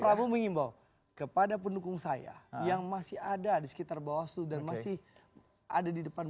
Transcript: prabowo mengimbau kepada pendukung saya yang masih ada di sekitar bawaslu dan masih ada di depan